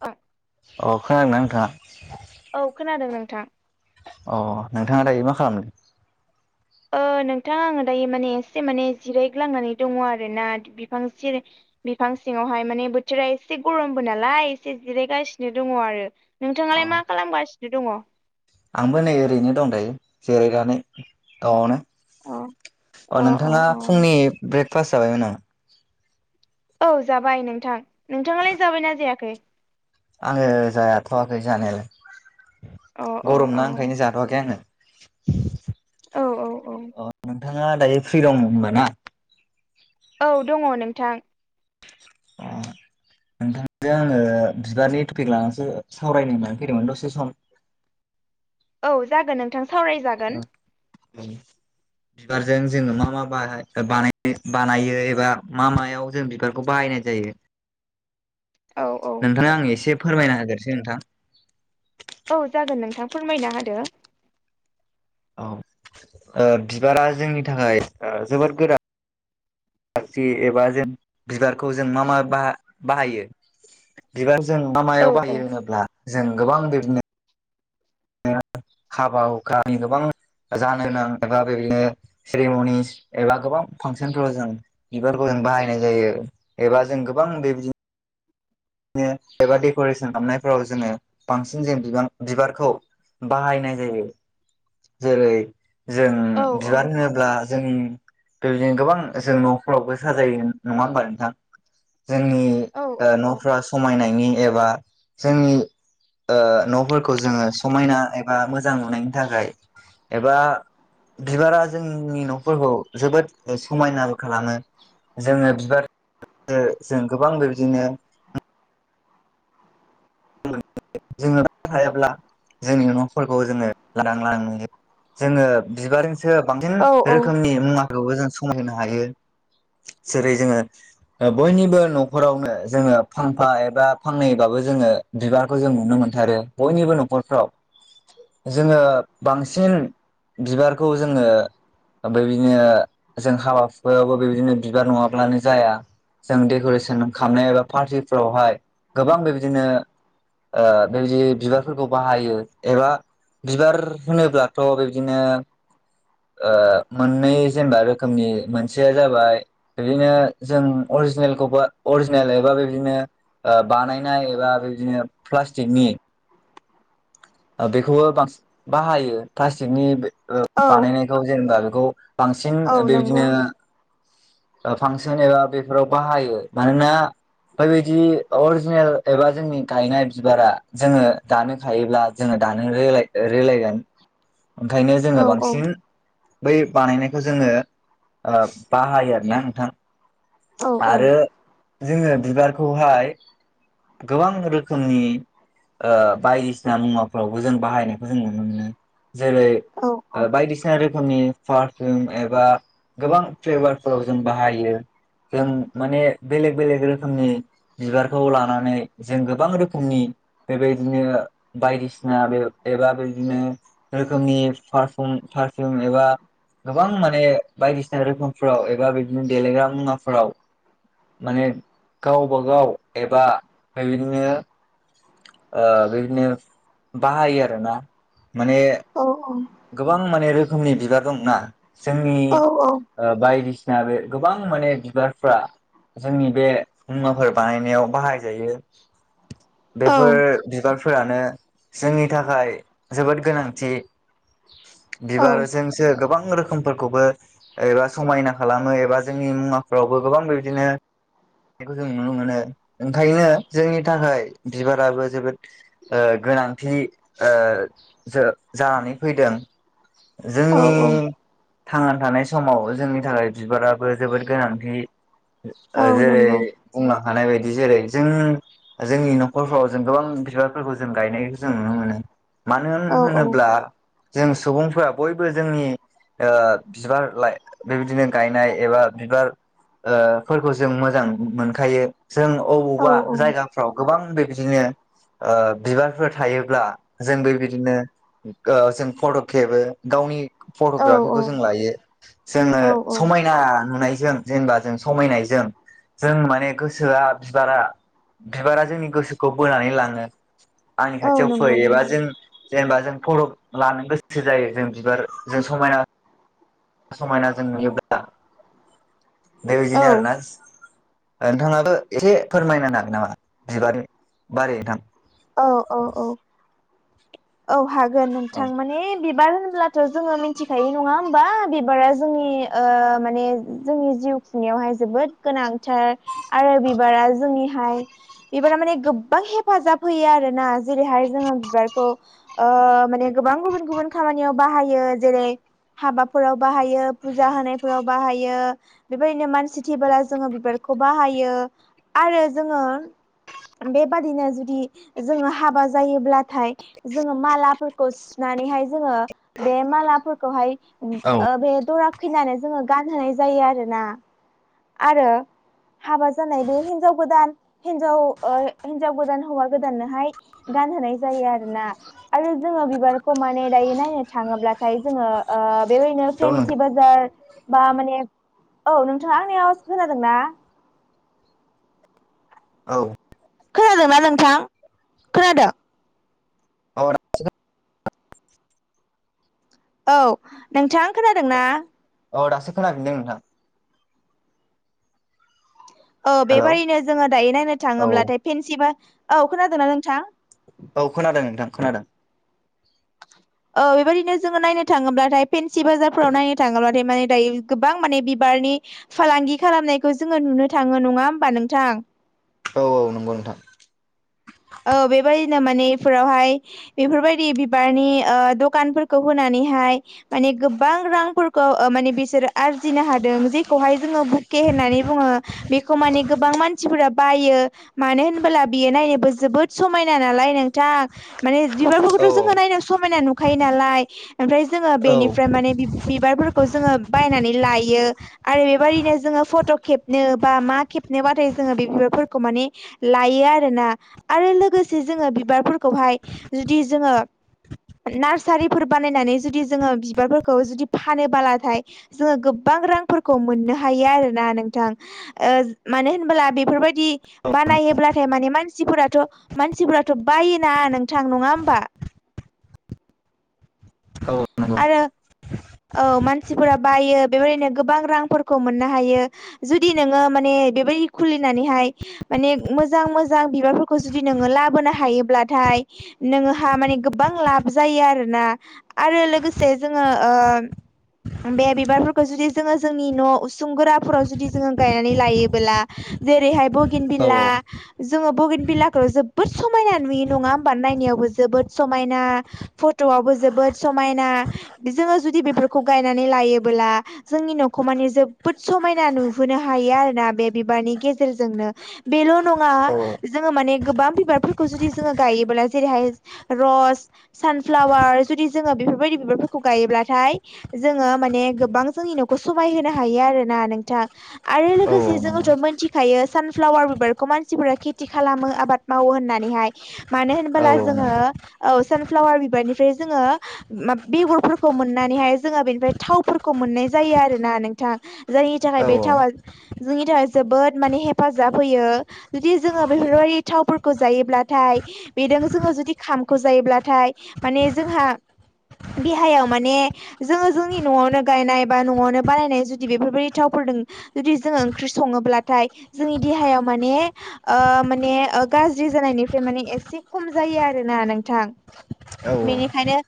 ओ अह खोनादोंना नोंथाङा औ खोनादों नोंथां अ नोंथाङा दायो मा खालामदों? ओ नोंथां आङो दायो माने एसे माने जिरायग्लांनानै दङ आरोना बिफां स बिफां सिङावहाय माने बोथोरा एसे गरमबो नालाय एसे जिरायगासिनो दङ आरो अ नोंथाङालाय मा खालामगासिनो दङ? आंबो नै ओरैनो दं दायो जिरायनानै न'वावनो अ अ अ नोंथाङा अ फुंनि ब्रेकफास्ट जाबायमोन नामा? औ जाबाय नोंथां नोंथाङालाय जाबायना जायाखै आङो जाथ'वाखै जानायालाय अ अ गरम अ ना ओंखायनो जाथ'वाखै आङो औ औ औ अह नोंथाङा दायो फ्रि दङ होनबा ना? औ दङ नोंथां [inaudible] नोंथांजों आङो बिबारनि टपिक लानानैसो सावरायनो होननानै फैदोंमोन दसे सम [inaudible] औ जागोन नोंथां सावरायजागोन [inaudible] बिबारजों जोङो मा मा बा बानायो एबा मा मायाव जों बिबारखौ बाहाय नाय जायो औ औ नोंथाङा आं एसे फोरमायना होगोरसै नोंथां औ जागोन नोंथां फोरमायना होदो औ ओ बिबारा जोंनि थाखाय जोबोद गोरा फसि एबा जों बिबारखौ जों मा मा बाहायो बिबार जों मा औ मायाव औ बायो होनोब्ला जों गोबां बिदिनो हाबा हुखानि गोबां जानो गोनां एबा बेबायदिनो सेरेमनिस एबा गोबां फांसनफोराव जों बिफोरखौ जों बाहायनाय जायो एबा जों गोबां बेबायदिनो नो एबा डेक'रेसन खालामनायफोराव जोङो बांसिन जों बिबां बिबारखौ बाहायनाय जायो जेरै जों औ बिबार होनोब्ला जों बेबायदिनो गोबां जों न'फोरावबो साजायो नङा होमबा नोंथां जोंनि औ ओ न'फ्रा समायनायनि एबा जोंनि ओ न'फोरखौ जोङो समायना एबा मोजां नुनायनि थाखाय एबा बिबारा जोंनि न'फोरखौ जोबोद समायनाबो खालामो‌। जोङो बिबार जों गोबां बेबदिनो जोङो थायाब्ला जोंनि न'फोरखौ जोङो लादां दां नुयो जोङो बिबारजोंसो बांसिन औ रोखोमनि मुवाफोरखौबो जों समायहोनो हायो जेरै जोङो बयनिबो न'खरावनो जोङो फांफा एबा फांनैबाबो जोङो बिबारखौ जों नुनो मोनथारो बयनिबो न'खरफ्राव जोङो बांसिन बिबारखौ जोङो बेबायदिनो जों हाबा हुखायावबो बेबायदिनो बिबार नङाब्लानो जाया जों डेक'रेसन खालामनाय एबा पार्टिफ्रावहाय गोबां बेबायदिनो ओ बेबादि बिबारफोरखौ बाहायो एबा बिबार होनोब्लाथ' बिबदिनो ओ मोननै जेनेबा रोखोमनि मोनसेया जाबाय बिदिनो जों अरिजिनेलखौबो अरिजिनेल एबा बिबदिनो ओ बानायनाय एबा बिदिनो प्लास्टक नि बेखौबो बांसिन बाहायो प्लास्टिकनि औ बानायनायखौ जेनेबा बेखौ बांसिन औ नंगौ बेबायदिनो फांसन एबा बेफोराव बाहायो मानोना बेबादि अरिजिनेल एबा जोंनि गायनाय बिबारा जोङो दानो खायोब्ला जोङो दानो रेलाय रेलायगोन ओंखायनो औ जोङो औ बांसिन बै बानायनायखौ जोङो ओ बाहायो आरो ना नोंथां औ आरो जोङो बिबारखौहाय गोबां रो- खोमनि ओ बायदिसिना मुवाफोरावबो जों बाहायनायखौ जों नुनो मोनो जेरै औ ओ बायदिसिना रोखोमनि पारफिउम एबा गोबां फ्लेभारफोराव जों बाहायो जों माने बेलेग बेलेग रोखोमनि बिबारखौ लानानै जों गोबां रोखोमनि बेबायदिनो बायदिसिना बे एबा बेदिनो रोखोमनि फारफिउम फारफिउम एबा गोबां माने बायदिसिना रोखोमफोराव एबा बिदिनो देलायग्रा मुवाफोराव माने गावबागाव एबा बे बिदिनो ओ बिदिनो बाहायो आरोना माने औ औ गोबां माने रोखोमनि बिबार दंना जोंनि औ ओ बायदिसि- ना बे गोबां माने बिबारफ्रा जोंनि बे मुवाफोर बानायनायाव बाहायजायो औ बेफोर बिबारफोरानो जोंनि थाखाय जोबोद गोनांथि बिबारजोंसो गोबां रोखोम मफोरखौबो एबा समायना खालामो एबा जोंनि मुवाफोरावबो गोबां बिदिनो खौ जों नुनो मोनो ओंखायनो जोंनि थाखाय बिबाराबो जोबोद ओ गोनांथि ओ जो जानानै फैदों औ जोंनि थांनानै थानाय समाव जोंनि थाखाय बिबाराबो जोबोद गोनांथि ओ औ जेरै नंगौ बुंनो हानाय बायदि जेरै जों जोंनि नखरफ्राव जों गोबां बिबारफोरखौ जों गायनायखौ जों नुनो मोनो मानो औ होन औ होनोब्ला जों सुबुंफोरा बयबो जोंनि ओ बिबार लाय बेबायदिनो गायनाय एबा बिबार ओ फोरखौ जों मोजां मोनखायो जों औ अबावबा जायगाफ्राव गोबां बेबायदिनो ओ बिबारफोर थायोब्ला जों बेबायदिनो ओ जों फट' खेबो गावनि फट'ग्राफिखौ जों लायो जोङो औ समायना नुनायजों जेनेबा जों समायनायजों जों माने गोसोआ बिबारा बिबारा जोंनि गोसोखौ बोनानै लाङो आंनि औ खाथियाव फै नंगौ एबा नंगौ जों जेनेबा जों पत' लानो गोसो जायो जों बिबार जों समायना समायना जों नुयोब्ला बेबायदिनो औ आरोना नोंथाङाबो एसे फोरमायना हागोन नामा बिबारनि बारै नोंथां औ औ औ औ हागोन औ नोंथां माने बिबार होन ब्लाथ' जोङो मिथिखायो नङा होमबा बिबारा जोंनि ओ माने जोंनि जिउ खुंनायाव जोबोद गोनांथार आरो बिबारा जोंनिहाय बिबारा माने गोबां हेफाजाब हेफाजाब होयो आरोना जेरैहाय जोङो बिबारखौ ओ माने गोबां गुबुन गुबुन खामानियाव बाहायो जेरै हाबाफोराव बाहायो फुजा होनायफोराव बाहायो बेबायदिनो मानसि थैबोला जोङो बिबार खौ बाहायो आरो जोङो बेबादिनो जुदि जोङो हाबा जायोब्लाथाय जोङो मालाफोरखौ सुनानैहाय जोङो। बे मालाफोरखौहाय औ ओ बे दर फैनानै जोङो गानहोनाय जायो आरोना आरोना। हाबा जानाय बे हिनजाव गोदान हिनजाव ओ हिनजाव गोदान हौवा गोदाननोहाय गान नहोनाय जायो आरोना आरो जोङो बिबारखौ माने दायो नायनो थाङोब्लाथाय जोङो ओ। बेबायदिनो हेल' फेनसि नोंथां बाजार बा माने औ नोंथां खोनादोंना? औ। खोनादोंना नोंथां खोनादों? औ दासो औ नोंथां खोनादोंना? औ दासो खोनाफिनदों नोंथां औ बेबारैनो जोङो दायो नायनो औ थाङोब्लाथाय फेनसि बा औ खोनादोंना नोंथां। औ खोनादों नोंथां खोनादों औ बेबायदिनो जोङो नायनो थाङोब्लाथाय फेनसि बाजारफोराव नायनो थाङोब्लाथाय माने दायो गोबां। माने बिबारनि फालांगि खालामनायखौ जोङो नुनो थाङो नङा होमबा नोंथां औ औ नंगौ नोंथां औ बेबायदिनो माने इफोरावहाय बेफोरबायदि बिबारनि ओ दखानफोरखौ होनानै हाय गोबां रांफोरखौ ओ माने बिसोर आरजिनो हादों जेखौहाय ज होननानै बुङो बे मान गोबां मानसि ब मानो होन बियो नायनोबो जोबोद समायना नालाय नोंथां माने औ बिबारफोरखौथ' औ जोङो नायनो समायना नुखायो नालाय। ओमफ्राय जोङो औ बेनिफ्राय माने बिबारफोरखौ जोङो बायनानै लायो आरो बेबादिनो जोङो। फट' खेबनो बा मा खेबनोबाथाय जोङो बे बिबारफोरखौ माने लायो आरोना। आरो लोगोसे जोङो बिबारफोरखौहाय जुदि जोङो। नार्सारिफोर बानायनानै जुदि जोङो बिबारफोरखौ जुदि फानोबलाथाय जोङो गोबां। रांफोरखौ मोननो हायो आरोना नोंथां ओ मानो होन बेफोरबायदि बा नायोब्ला थाय माने मानसिफोराथ मानसिफोराथ' बायोना नोंथां नङा होमबा? औ नंगौ। आरो औ मानसिफोरा बायो बेबायदिनो गोबां रांफोरखौ मोननो हायो जुदि नोङो माने। बेबायदि खुलिनानै माने मोजां मोजां बिबारफोरखौ नों जुदि लाबोनो हायोब्ला थाइ नोंहा माने गोबां लाब जायो आरोना आरो लोगोसे जोङो। द [unintelligible] बे बिबारफोरखौ जुदि जोङो जोंनि न' उसुंगोराफोराव जुदि जोङ गायनानै लायोबोला जेरैहाय। बगेन औ भेलिया जोङो बगेन भेलियाखौ जोबोद समायना नुयो नङा होमबा नायनायावबो जोबोद समायना फट'वबो जोबोद समायना। दि जुदि बेफोरखौ गायनानै लायोला जोंनि न'खौ मानि जोबोद समायना नुहोनो हायो आरोना। बे बिबारनि गेजेरजोंनो बेल' नङा जोङो माने गोबां बिबारफोरखौ जुदि जो गायो जेरैहाय रस सानफ्लावार जुदि जोङो। बेफोरबायदि बिबारफोरखौ गायोब्ला नाथाय जोङो माने गोबां जोंनि न'खौ समाय होनो हायो आरोना नोंथां आरो औ औ लोगोसे। जोंङोथ' मिथिखायो सानफ्लावार बिबारखौ मानसिफोरा खेथि खालामो आबाद मावो होननानैहाय मानो औ होनोबला नंगौ औ जोङो नंगौ औ सानफ्लावार बिबारनिफ्राय जोङो बेगरफोरखौ खौ मोननानैहाय जोङो बेनिफ्राय थावफोरखौ मोननाय जायो आरो ना नोंथां जायनि थाखाय औ बे थावा। जोंनि थाखाय जोबोद माने हेफाजाब होयो जुदि जोङो बेफोरबायदि थावफोरखौ जायोब्लाथाय। बे जोङो जुदि ओंखामखौ जायोब्लाथाय मान जोंहा देहायावनो। मान जोङो जोंनि न'आवनो गायनाय बा न'आवनो बानायनाय जुदि बेफोरबायदि थावफोरजों जुदि जों ओंख्रि संडोबाथाय जोंनि देहायाव माने अ गाज्रि जानायनिफ्राय एसे खम जायो आरोना नोंथां बेनिखायनो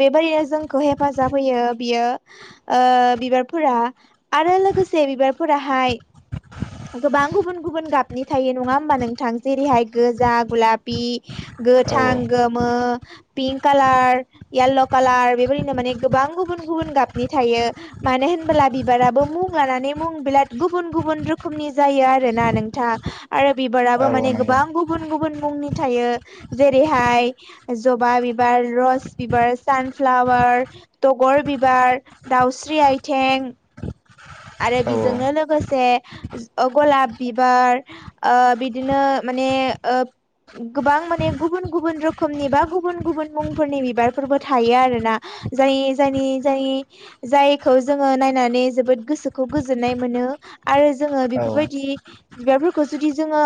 बेबायनो जोंखौ हेफाजाब होयो बियो बिबारफोरा आरो लोगोसे बिबारफोरा गाहाय गोबां गुबुन गुबुन गाबनि थायो नङा होमबा नोंथां जेरैहाय गोजा गुलाफि गोथां गोमो पिंक कालार य्ल' कालार बे नो मिने गोबां गुब गुबुन गाबनि थायो मानो होनला बिबाराबो मुं लानानै मुं बिराद गुबुन गुबुन रोखोमनि जायो आरोना नोंथाङा आरो बिबाराबो माने गोबां गुबुन गुबुन मुं नि थायो जेरैहाय जबा बिबार बिबार सानफलवार बिबार दगर बिबार दाउस्रि आथें आरो बिजोंनो लोगोसे गलाब बिबार बिदिनो माने गोबां माने गुबुन गुबुन रोखोमनि बा गुबुन गुबुन मुंफोरनि बिबारफोरबो थायो आरोना जाय जाय जाय जायखौ जोङो नायनानै जोबोद गोसोखौ गोजोननाय मोनो आरो जोङो औ बेफोरबायदि बिबारफोरखौ जुदि जोङो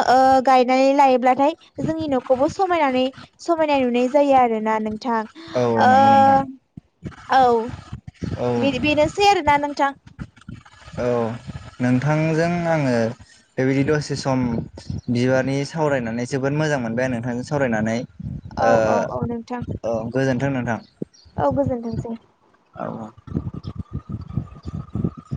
गायनानै लायोब्लाथाय जोंनि न'खौबो समायनानै समायनाय नुनाय जायो आरोना नोंथां औ औ नंगौ औ नंगौ नोंथां औ औ बि बिनोसै आरो ना नोंथां औ नोंथांजों आङो बेबायदि दसे सम बिबारनि सावरायनानै जोबोद मोजां मोजां मोनबाय आं नोंथांजों सावरायनानै औ गोजोन्थों नोंथां औ गोजोनथोंसै औ औ